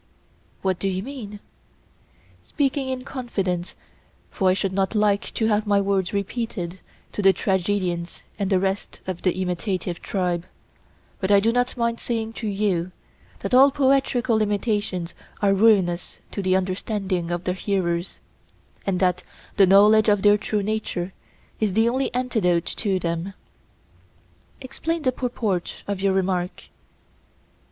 What do you mean? Speaking in confidence, for I should not like to have my words repeated to the tragedians and the rest of the imitative tribe—but I do not mind saying to you, that all poetical imitations are ruinous to the understanding of the hearers, and that the knowledge of their true nature is the only antidote to them. Explain the purport of your remark.